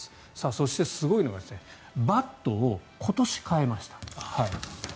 そしてすごいのがバットを今年変えました。